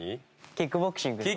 キックボクシングです。